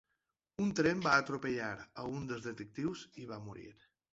Un tren va atropellar a un dels detectius i va morir.